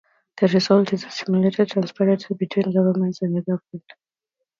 The result is 'a simulated transparency between governments and the governed'.